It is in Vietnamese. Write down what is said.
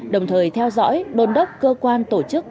đồng thời theo dõi đôn đốc cơ quan tổ chức